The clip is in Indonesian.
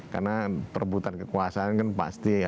karena perebutan kekuasaan pasti